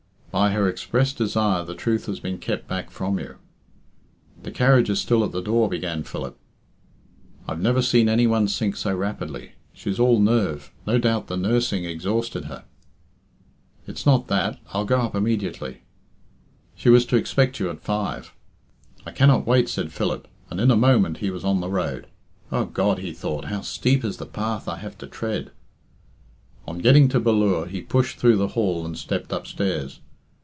"By her express desire the truth has been kept back from you." "The carriage is still at the door " began Philip. "I've never seen any one sink so rapidly. She's all nerve. No doubt the nursing exhausted her." "It's not that I'll go up immediately." "She was to expect you at five." "I cannot wait," said Philip, and in a moment he was on the road. "O God!" he thought, "how steep is the path I have to tread." On getting to Ballure, he pushed through the hall and stepped upstairs.